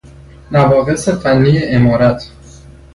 نواقص فنی عمارت